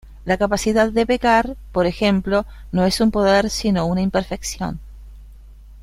La capacidad de pecar, por ejemplo, no es un poder sino una imperfección.